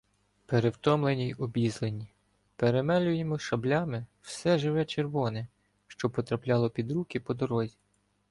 Перевтомлені й обізлені, перемелюємо шаблями все живе червоне, що потрапляло під руки по дорозі.